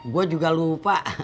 gua juga lupa